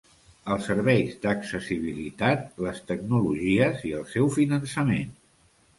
Els serveis d'accessibilitat, les tecnologies i el seu finançament.